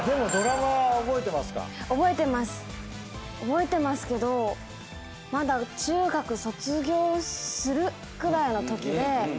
覚えてますけどまだ中学卒業するぐらいのときで。